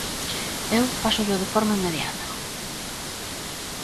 Eu pásollo de forma inmediata.